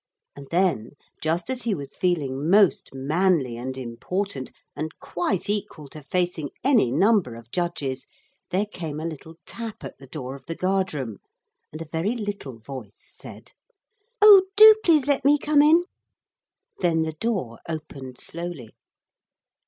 And then, just as he was feeling most manly and important, and quite equal to facing any number of judges, there came a little tap at the door of the guard room, and a very little voice said: 'Oh, do please let me come in.' Then the door opened slowly.